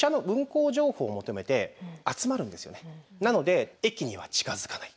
なので駅には近づかない。